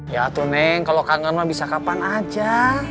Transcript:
ya tuh neng kalau kangen mah bisa kapan aja